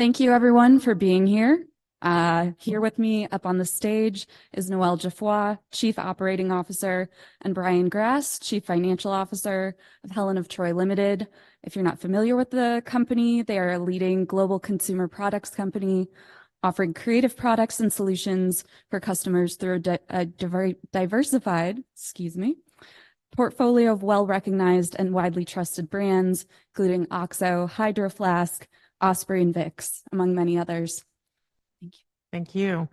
Thank you everyone for being here. Here with me up on the stage is Noel Geoffroy, Chief Operating Officer, and Brian Grass, Chief Financial Officer of Helen of Troy Limited. If you're not familiar with the company, they are a leading global consumer products company, offering creative products and solutions for customers through a diversified, excuse me, portfolio of well-recognized and widely trusted brands, including OXO, Hydro Flask, Osprey, and Vicks, among many others. Thank you. Thank you.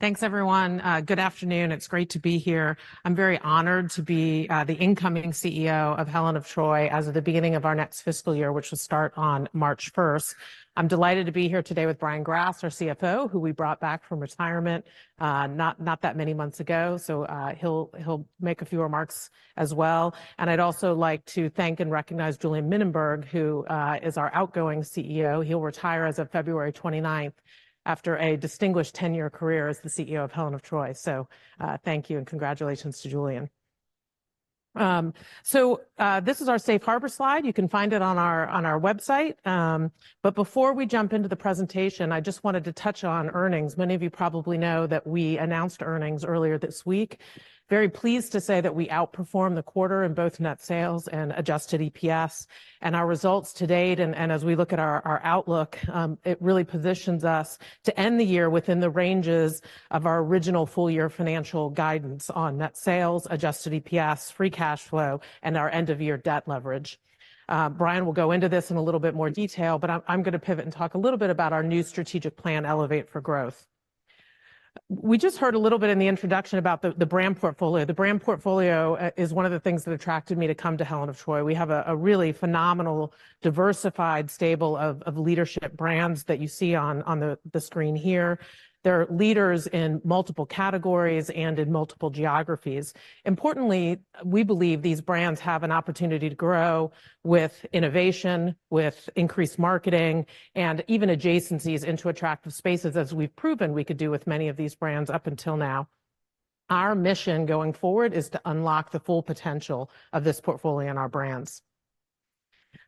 Thanks, everyone. Good afternoon. It's great to be here. I'm very honored to be the incoming CEO of Helen of Troy as of the beginning of our next fiscal year, which will start on March 1. I'm delighted to be here today with Brian Grass, our CFO, who we brought back from retirement not that many months ago, so he'll make a few remarks as well. I'd also like to thank and recognize Julien Mininberg, who is our outgoing CEO. He'll retire as of February 29 after a distinguished 10-year career as the CEO of Helen of Troy. Thank you, and congratulations to Julien. This is our Safe Harbor slide. You can find it on our website. But before we jump into the presentation, I just wanted to touch on earnings. Many of you probably know that we announced earnings earlier this week. Very pleased to say that we outperformed the quarter in both net sales and Adjusted EPS. Our results to date, and as we look at our outlook, it really positions us to end the year within the ranges of our original full-year financial guidance on net sales, Adjusted EPS, free cash flow, and our end-of-year debt leverage. Brian will go into this in a little bit more detail, but I'm going to pivot and talk a little bit about our new strategic plan, Elevate for Growth. We just heard a little bit in the introduction about the brand portfolio. The brand portfolio is one of the things that attracted me to come to Helen of Troy. We have a really phenomenal, diversified stable of leadership brands that you see on the screen here. They're leaders in multiple categories and in multiple geographies. Importantly, we believe these brands have an opportunity to grow with innovation, with increased marketing, and even adjacencies into attractive spaces, as we've proven we could do with many of these brands up until now. Our mission going forward is to unlock the full potential of this portfolio and our brands.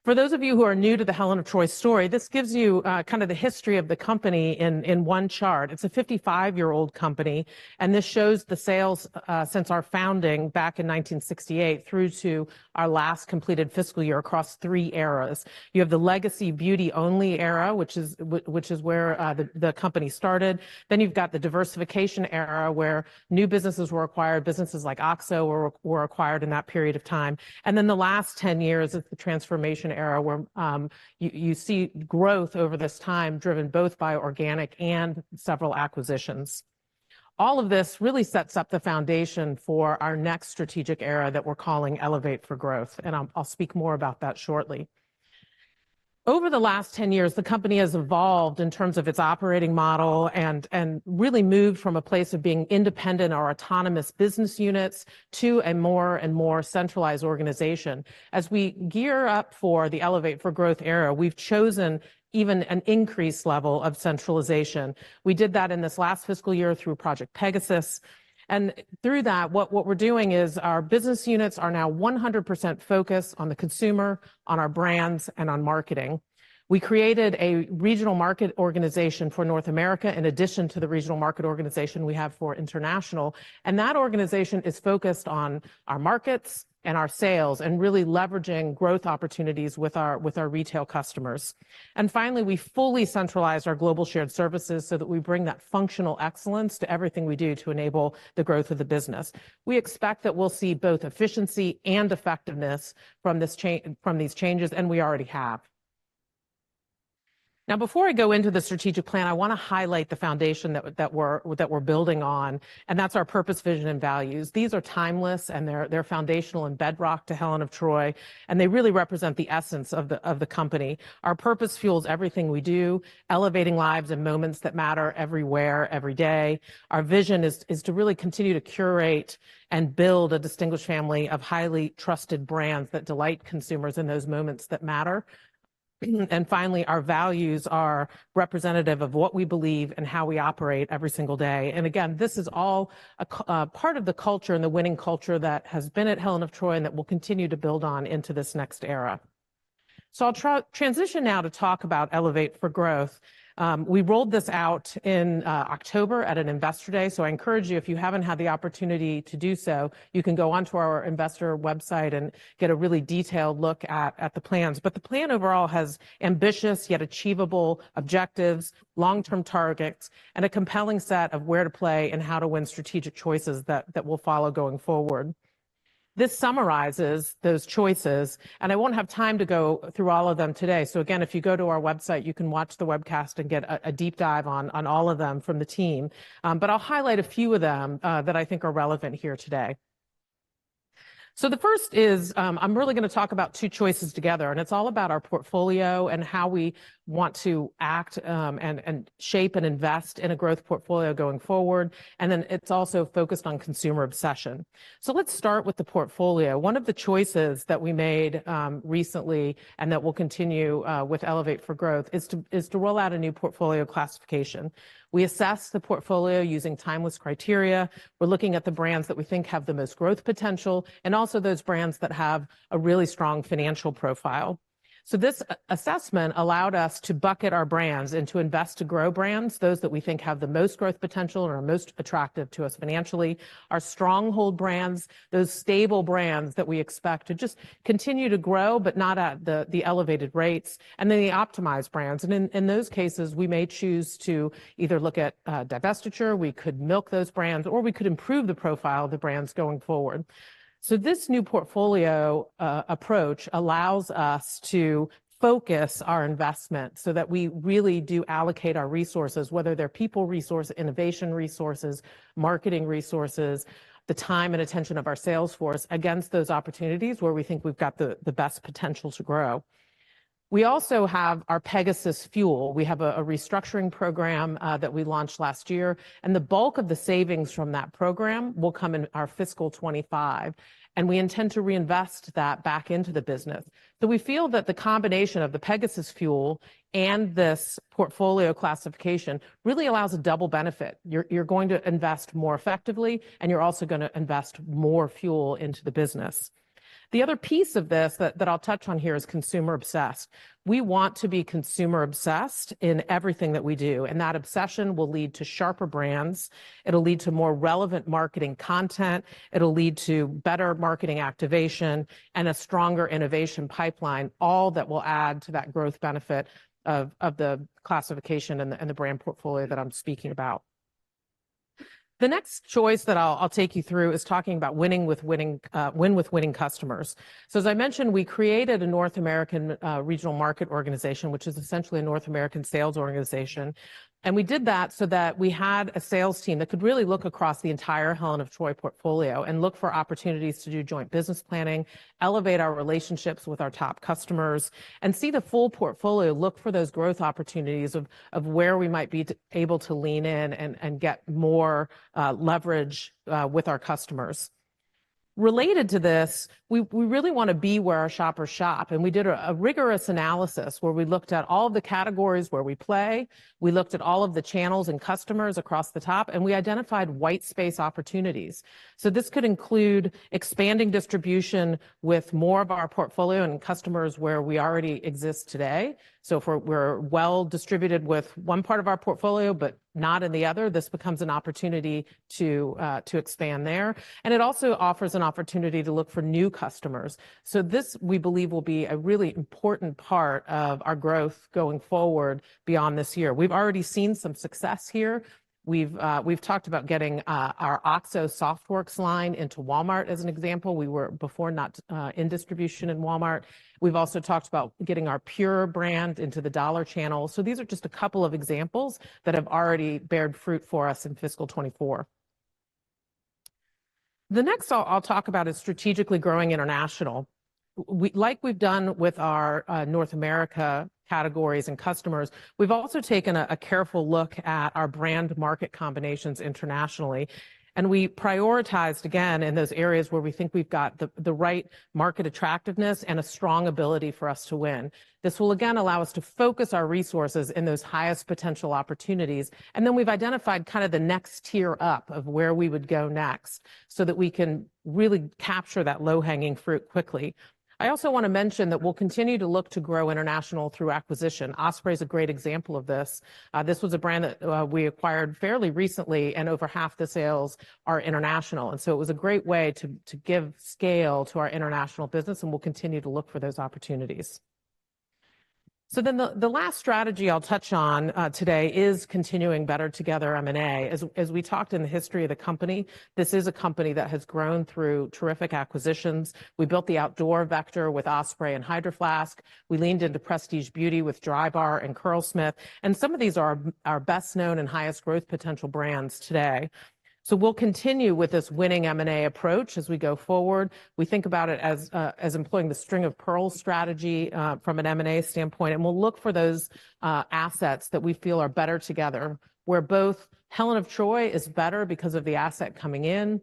For those of you who are new to the Helen of Troy story, this gives you, kind of the history of the company in one chart. It's a 55-year-old company, and this shows the sales since our founding back in 1968 through to our last completed fiscal year across three eras. You have the legacy beauty-only era, which is where the company started. Then you've got the diversification era, where new businesses were acquired, businesses like OXO were acquired in that period of time. And then the last 10 years is the transformation era, where you see growth over this time, driven both by organic and several acquisitions. All of this really sets up the foundation for our next strategic era that we're calling Elevate for Growth, and I'll speak more about that shortly. Over the last 10 years, the company has evolved in terms of its operating model, and really moved from a place of being independent or autonomous business units to a more and more centralized organization. As we gear up for the Elevate for Growth era, we've chosen even an increased level of centralization. We did that in this last fiscal year through Project Pegasus, and through that, we're doing is our business units are now 100% focused on the consumer, on our brands, and on marketing. We created a regional market organization for North America, in addition to the regional market organization we have for international, and that organization is focused on our markets and our sales and really leveraging growth opportunities with our, with our retail customers. Finally, we fully centralized our global shared services so that we bring that functional excellence to everything we do to enable the growth of the business. We expect that we'll see both efficiency and effectiveness from these changes, and we already have. Now, before I go into the strategic plan, I want to highlight the foundation that we're building on, and that's our purpose, vision, and values. These are timeless, and they're foundational and bedrock to Helen of Troy, and they really represent the essence of the company. Our purpose fuels everything we do, elevating lives and moments that matter everywhere, every day. Our vision is to really continue to curate and build a distinguished family of highly trusted brands that delight consumers in those moments that matter. And finally, our values are representative of what we believe and how we operate every single day. And again, this is all a part of the culture and the winning culture that has been at Helen of Troy and that we'll continue to build on into this next era. So I'll transition now to talk about Elevate for Growth. We rolled this out in October at an Investor Day, so I encourage you, if you haven't had the opportunity to do so, you can go onto our investor website and get a really detailed look at the plans. But the plan overall has ambitious yet achievable objectives, long-term targets, and a compelling set of where to play and how to win strategic choices that will follow going forward. This summarizes those choices, and I won't have time to go through all of them today. So again, if you go to our website, you can watch the webcast and get a deep dive on all of them from the team. But I'll highlight a few of them that I think are relevant here today. So the first is, I'm really gonna talk about two choices together, and it's all about our portfolio and how we want to act, and shape and invest in a growth portfolio going forward, and then it's also focused on consumer obsession. So let's start with the portfolio. One of the choices that we made, recently and that will continue, with Elevate for Growth, is to roll out a new portfolio classification. We assess the portfolio using timeless criteria. We're looking at the brands that we think have the most growth potential, and also those brands that have a really strong financial profile. So this assessment allowed us to bucket our brands into Invest to Grow brands, those that we think have the most growth potential and are most attractive to us financially, our Stronghold brands, those stable brands that we expect to just continue to grow, but not at the elevated rates, and then the Optimized brands. And in those cases, we may choose to either look at divestiture, we could milk those brands, or we could improve the profile of the brands going forward. So this new portfolio approach allows us to focus our investment so that we really do allocate our resources, whether they're people resource, innovation resources, marketing resources, the time and attention of our sales force, against those opportunities where we think we've got the best potential to grow. We also have our Pegasus Fuel. We have a restructuring program that we launched last year, and the bulk of the savings from that program will come in our fiscal 2025, and we intend to reinvest that back into the business. So we feel that the combination of the Pegasus Fuel and this portfolio classification really allows a double benefit. You're going to invest more effectively, and you're also gonna invest more fuel into the business. The other piece of this that I'll touch on here is consumer obsessed. We want to be consumer obsessed in everything that we do, and that obsession will lead to sharper brands, it'll lead to more relevant marketing content, it'll lead to better marketing activation and a stronger innovation pipeline, all that will add to that growth benefit of the classification and the brand portfolio that I'm speaking about. The next choice that I'll take you through is talking about winning with winning, win with winning customers. So as I mentioned, we created a North American regional market organization, which is essentially a North American sales organization, and we did that so that we had a sales team that could really look across the entire Helen of Troy portfolio and look for opportunities to do joint business planning, elevate our relationships with our top customers, and see the full portfolio, look for those growth opportunities of where we might be able to lean in and get more leverage with our customers. Related to this, we really wanna be where our shoppers shop, and we did a rigorous analysis where we looked at all the categories where we play, we looked at all of the channels and customers across the top, and we identified white space opportunities. So this could include expanding distribution with more of our portfolio and customers where we already exist today. So if we're well distributed with one part of our portfolio, but not in the other, this becomes an opportunity to expand there. And it also offers an opportunity to look for new customers. So this, we believe, will be a really important part of our growth going forward beyond this year. We've already seen some success here. We've talked about getting our OXO SoftWorks line into Walmart, as an example. We were before not in distribution in Walmart. We've also talked about getting our PUR brand into the dollar channel. So these are just a couple of examples that have already borne fruit for us in fiscal 2024. The next I'll talk about is strategically growing international. We, like we've done with our North America categories and customers, we've also taken a careful look at our brand market combinations internationally, and we prioritized again in those areas where we think we've got the right market attractiveness and a strong ability for us to win. This will again allow us to focus our resources in those highest potential opportunities, and then we've identified kind of the next tier up of where we would go next, so that we can really capture that low-hanging fruit quickly. I also wanna mention that we'll continue to look to grow international through acquisition. Osprey is a great example of this. This was a brand that we acquired fairly recently, and over half the sales are international, and so it was a great way to give scale to our international business, and we'll continue to look for those opportunities. So then the last strategy I'll touch on today is continuing Better Together M&A. As we talked in the history of the company, this is a company that has grown through terrific acquisitions. We built the outdoor vector with Osprey and Hydro Flask. We leaned into prestige beauty with Drybar and Curlsmith, and some of these are our best known and highest growth potential brands today. So we'll continue with this winning M&A approach as we go forward. We think about it as, as employing the String of Pearls strategy, from an M&A standpoint, and we'll look for those, assets that we feel are better together, where both Helen of Troy is better because of the asset coming in,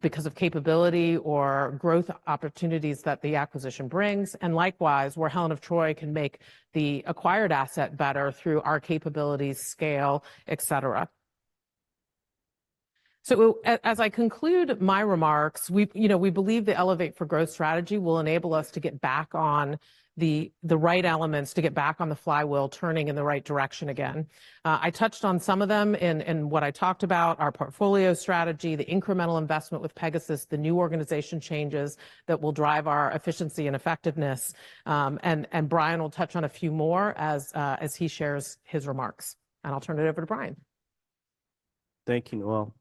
because of capability or growth opportunities that the acquisition brings, and likewise, where Helen of Troy can make the acquired asset better through our capabilities, scale, etc. So as I conclude my remarks, we, you know, we believe the Elevate for Growth strategy will enable us to get back on the, the right elements, to get back on the flywheel, turning in the right direction again. I touched on some of them in what I talked about, our portfolio strategy, the incremental investment with Pegasus, the new organization changes that will drive our efficiency and effectiveness, and Brian will touch on a few more as he shares his remarks. And I'll turn it over to Brian. Thank you, Noel.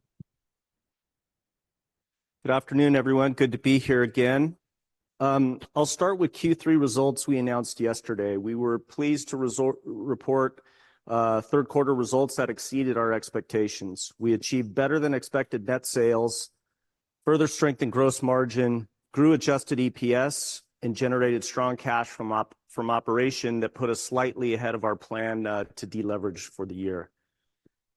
Good afternoon, everyone. Good to be here again. I'll start with Q3 results we announced yesterday. We were pleased to report third quarter results that exceeded our expectations. We achieved better-than-expected net sales, further strengthened gross margin, grew Adjusted EPS, and generated strong cash from operations that put us slightly ahead of our plan to deleverage for the year.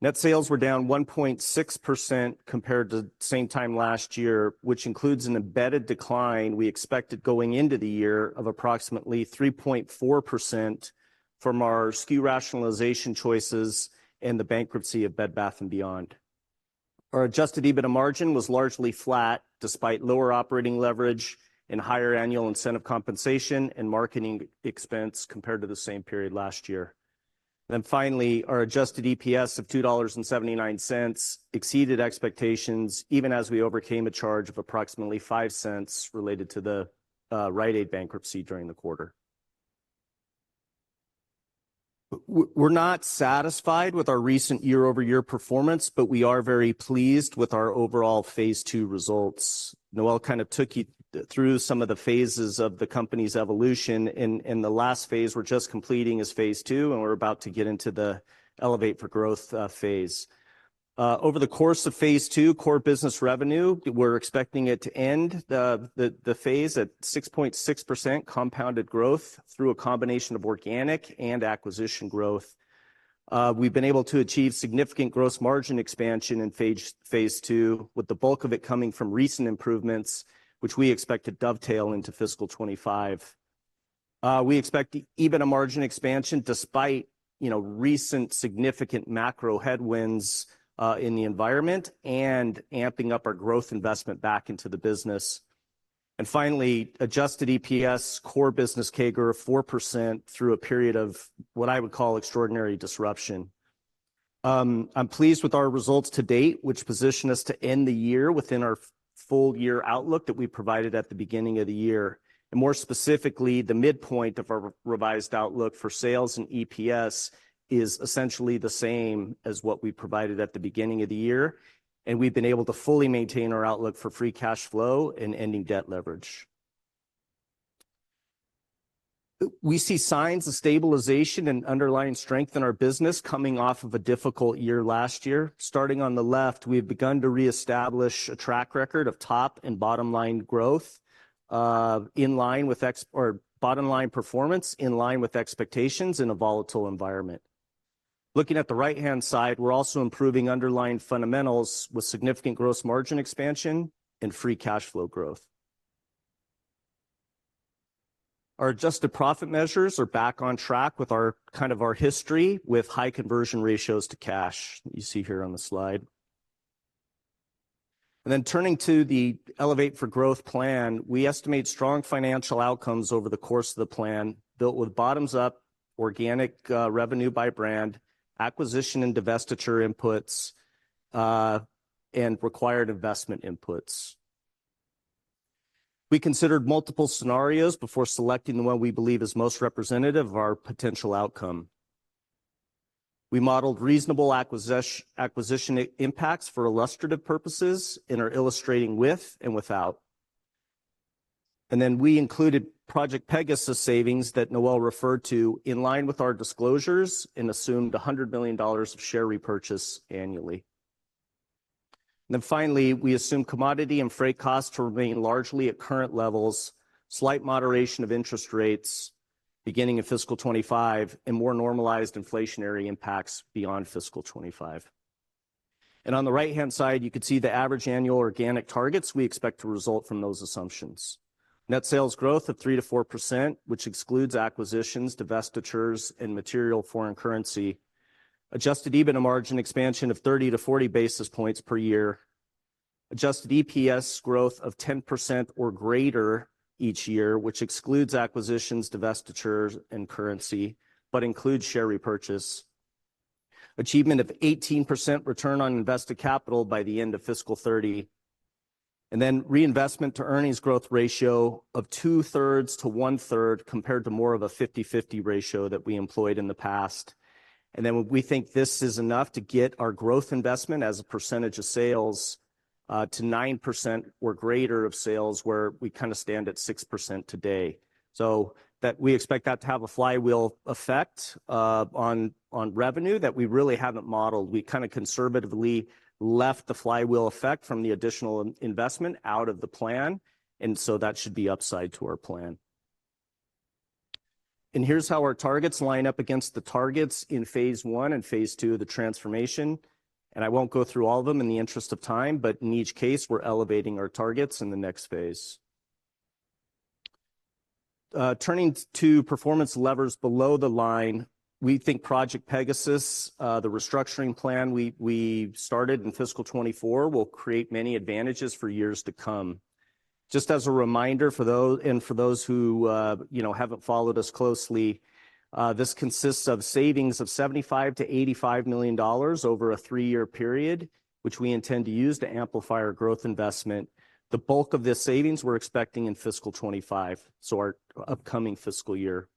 Net sales were down 1.6% compared to the same time last year, which includes an embedded decline we expected going into the year of approximately 3.4% from our SKU rationalization choices and the bankruptcy of Bed Bath & Beyond. Our Adjusted EBITDA margin was largely flat, despite lower operating leverage and higher annual incentive compensation and marketing expense compared to the same period last year. Then finally, our Adjusted EPS of $2.79 exceeded expectations, even as we overcame a charge of approximately $0.05 related to the Rite Aid bankruptcy during the quarter. We're not satisfied with our recent year-over-year performance, but we are very pleased with our overall Phase Two results. Noel kind of took you through some of the phases of the company's evolution, and the last phase we're just completing is Phase Two, and we're about to get into the Elevate for Growth phase. Over the course of Phase Two, core business revenue, we're expecting it to end the phase at 6.6% compounded growth through a combination of organic and acquisition growth. We've been able to achieve significant gross margin expansion in Phase Two, with the bulk of it coming from recent improvements, which we expect to dovetail into fiscal 2025. We expect EBITDA margin expansion despite, you know, recent significant macro headwinds in the environment and amping up our growth investment back into the business. And finally, Adjusted EPS core business CAGR of 4% through a period of what I would call extraordinary disruption. I'm pleased with our results to date, which position us to end the year within our full year outlook that we provided at the beginning of the year. More specifically, the midpoint of our revised outlook for sales and EPS is essentially the same as what we provided at the beginning of the year, and we've been able to fully maintain our outlook for free cash flow and ending debt leverage. We see signs of stabilization and underlying strength in our business coming off of a difficult year last year. Starting on the left, we've begun to reestablish a track record of top and bottom-line growth in line with or bottom line performance in line with expectations in a volatile environment. Looking at the right-hand side, we're also improving underlying fundamentals with significant gross margin expansion and free cash flow growth. Our adjusted profit measures are back on track with our kind of history with high conversion ratios to cash, you see here on the slide. Then turning to the Elevate for Growth plan, we estimate strong financial outcomes over the course of the plan, built with bottoms-up organic revenue by brand, acquisition and divestiture inputs, and required investment inputs. We considered multiple scenarios before selecting the one we believe is most representative of our potential outcome. We modeled reasonable acquisition impacts for illustrative purposes and are illustrating with and without. And then we included Project Pegasus savings that Noel referred to, in line with our disclosures, and assumed $100 million of share repurchase annually. And then finally, we assume commodity and freight costs to remain largely at current levels, slight moderation of interest rates beginning in fiscal 2025, and more normalized inflationary impacts beyond fiscal 2025. On the right-hand side, you can see the average annual organic targets we expect to result from those assumptions. Net sales growth of 3%-4%, which excludes acquisitions, divestitures, and material foreign currency. Adjusted EBITDA margin expansion of 30-40 basis points per year. Adjusted EPS growth of 10% or greater each year, which excludes acquisitions, divestitures, and currency, but includes share repurchase. Achievement of 18% return on invested capital by the end of fiscal 2030, and then reinvestment to earnings growth ratio of 2/3:1/3, compared to more of a 50/50 ratio that we employed in the past. And then we think this is enough to get our growth investment as a percentage of sales to 9% or greater of sales, where we kind of stand at 6% today. So that we expect that to have a flywheel effect on revenue that we really haven't modeled. We kind of conservatively left the flywheel effect from the additional investment out of the plan, and so that should be upside to our plan. Here's how our targets line up against the targets in Phase One and Phase Two of the transformation, and I won't go through all of them in the interest of time, but in each case, we're elevating our targets in the next phase. Turning to performance levers below the line, we think Project Pegasus, the restructuring plan we started in fiscal 2024, will create many advantages for years to come. Just as a reminder for those who, you know, haven't followed us closely, this consists of savings of $75 million-$85 million over a three-year period, which we intend to use to amplify our growth investment. The bulk of this savings we're expecting in fiscal 2025, so our upcoming fiscal year.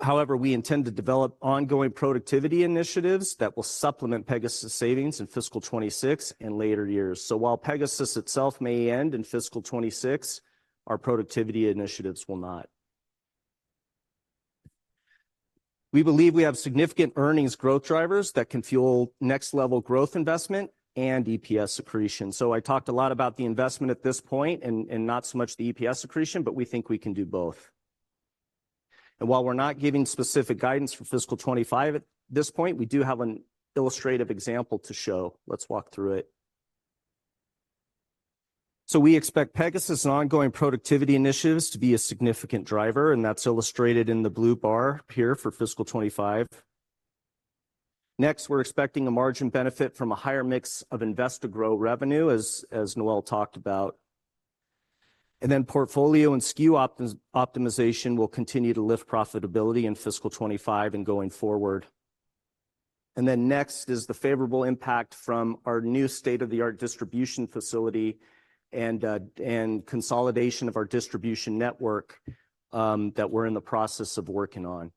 However, we intend to develop ongoing productivity initiatives that will supplement Pegasus savings in fiscal 2026 and later years. While Pegasus itself may end in fiscal 2026, our productivity initiatives will not. We believe we have significant earnings growth drivers that can fuel next level growth investment and EPS accretion. I talked a lot about the investment at this point and not so much the EPS accretion, but we think we can do both. While we're not giving specific guidance for fiscal 2025 at this point, we do have an illustrative example to show. Let's walk through it. We expect Pegasus and ongoing productivity initiatives to be a significant driver, and that's illustrated in the blue bar here for fiscal 2025. Next, we're expecting a margin benefit from a higher mix of Invest to Grow revenue, as Noel talked about. And then portfolio and SKU optimization will continue to lift profitability in fiscal 2025 and going forward. And then next is the favorable impact from our new state-of-the-art distribution facility and consolidation of our distribution network that we're in the process of working on.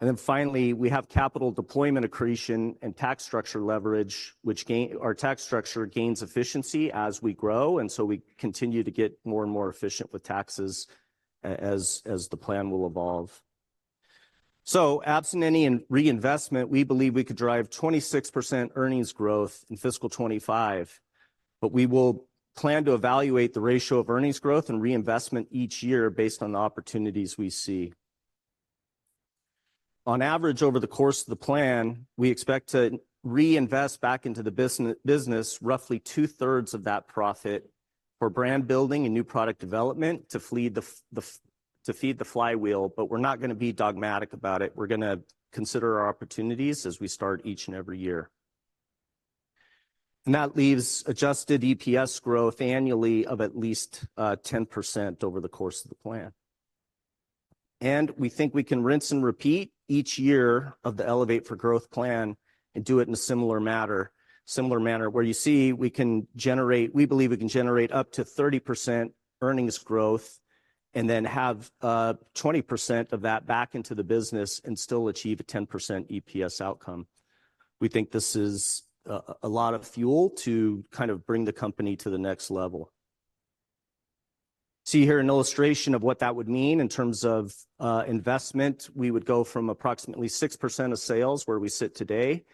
And then finally, we have capital deployment accretion and tax structure leverage, which our tax structure gains efficiency as we grow, and so we continue to get more and more efficient with taxes as the plan will evolve. So absent any reinvestment, we believe we could drive 26% earnings growth in fiscal 2025, but we will plan to evaluate the ratio of earnings growth and reinvestment each year based on the opportunities we see. On average, over the course of the plan, we expect to reinvest back into the business roughly two-thirds of that profit for brand building and new product development to feed the flywheel, but we're not gonna be dogmatic about it. We're gonna consider our opportunities as we start each and every year. That leaves Adjusted EPS growth annually of at least 10% over the course of the plan. We think we can rinse and repeat each year of the Elevate for Growth plan and do it in a similar matter, similar manner, where you see we can generate. We believe we can generate up to 30% earnings growth and then have 20% of that back into the business and still achieve a 10% EPS outcome. We think this is a lot of fuel to kind of bring the company to the next level. See here an illustration of what that would mean in terms of investment. We would go from approximately 6% of sales, where we sit today,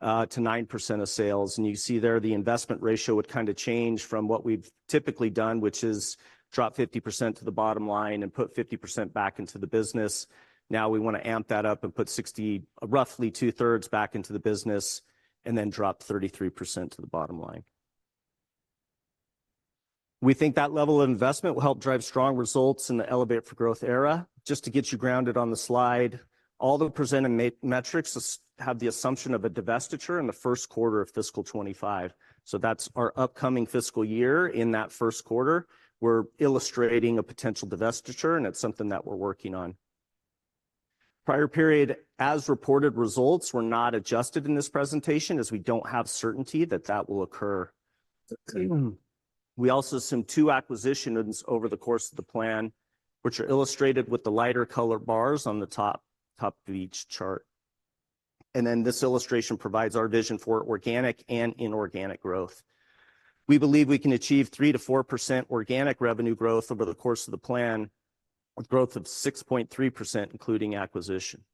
to 9% of sales. And you see there the investment ratio would kind of change from what we've typically done, which is drop 50% to the bottom line and put 50% back into the business. Now we wanna amp that up and put 60%, roughly two-thirds back into the business, and then drop 33% to the bottom line. We think that level of investment will help drive strong results in the Elevate for Growth era. Just to get you grounded on the slide, all the presented metrics have the assumption of a divestiture in the first quarter of fiscal 2025. So that's our upcoming fiscal year. In that first quarter, we're illustrating a potential divestiture, and it's something that we're working on. Prior period, as reported results, were not adjusted in this presentation, as we don't have certainty that that will occur. We also assume two acquisitions over the course of the plan, which are illustrated with the lighter color bars on the top of each chart. And then this illustration provides our vision for organic and inorganic growth. We believe we can achieve 3%-4% organic revenue growth over the course of the plan, with growth of 6.3%, including acquisition.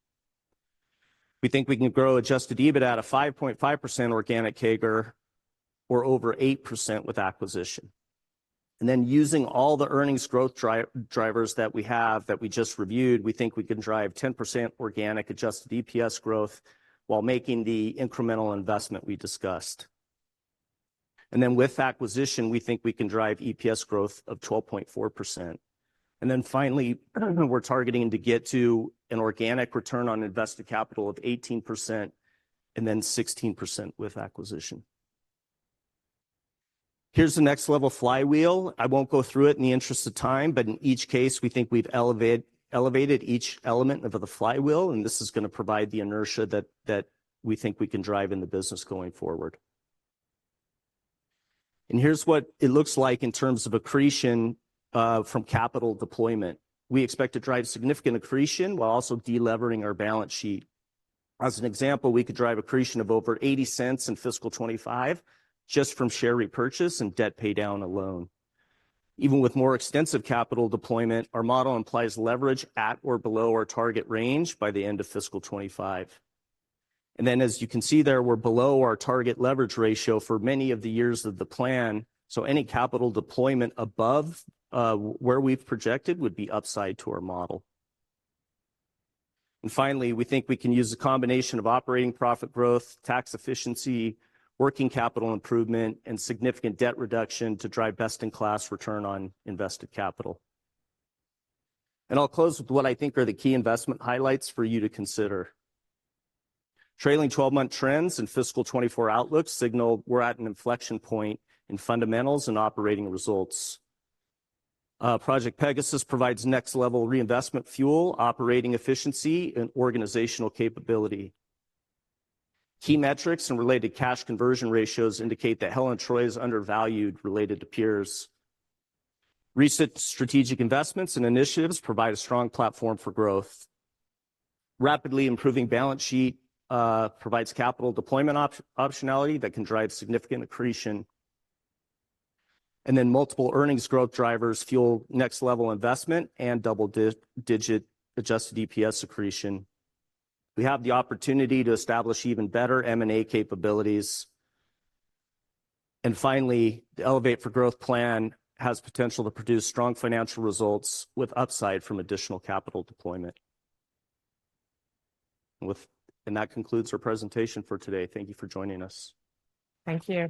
We think we can grow Adjusted EBITDA at a 5.5% organic CAGR or over 8% with acquisition. Then using all the earnings growth drivers that we have, that we just reviewed, we think we can drive 10% organic Adjusted EPS growth while making the incremental investment we discussed. Then with acquisition, we think we can drive EPS growth of 12.4%. Then finally, we're targeting to get to an organic return on invested capital of 18%, and then 16% with acquisition. Here's the next level flywheel. I won't go through it in the interest of time, but in each case, we think we've elevated each element of the flywheel, and this is gonna provide the inertia that we think we can drive in the business going forward. Here's what it looks like in terms of accretion from capital deployment. We expect to drive significant accretion while also de-levering our balance sheet. As an example, we could drive accretion of over $0.80 in fiscal 2025 just from share repurchase and debt paydown alone. Even with more extensive capital deployment, our model implies leverage at or below our target range by the end of fiscal 2025. And then, as you can see there, we're below our target leverage ratio for many of the years of the plan, so any capital deployment above where we've projected would be upside to our model. And finally, we think we can use a combination of operating profit growth, tax efficiency, working capital improvement, and significant debt reduction to drive best-in-class return on invested capital. And I'll close with what I think are the key investment highlights for you to consider. Trailing twelve-month trends in fiscal 2024 outlook signal we're at an inflection point in fundamentals and operating results. Project Pegasus provides next level reinvestment fuel, operating efficiency, and organizational capability. Key metrics and related cash conversion ratios indicate that Helen of Troy is undervalued related to peers. Recent strategic investments and initiatives provide a strong platform for growth. Rapidly improving balance sheet provides capital deployment optionality that can drive significant accretion. And then multiple earnings growth drivers fuel next level investment and double-digit Adjusted EPS accretion. We have the opportunity to establish even better M&A capabilities. And finally, the Elevate for Growth plan has potential to produce strong financial results with upside from additional capital deployment. And that concludes our presentation for today. Thank you for joining us. Thank you.